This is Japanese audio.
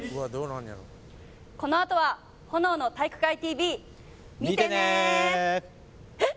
このあとは炎の体育会ＴＶ見てねえっ？